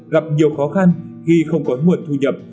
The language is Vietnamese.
gặp nhiều khó khăn khi không có nguồn thu nhập